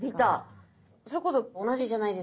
それこそ同じじゃないですか。